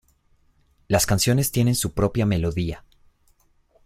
Las canciones tienen su propia melodía.